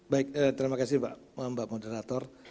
baik terima kasih mbak moderator